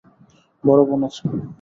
বড় বোন আছেন।